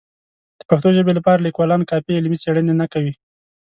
د پښتو ژبې لپاره لیکوالان کافي علمي څېړنې نه کوي.